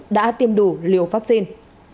đã tiêm đủ liều vaccine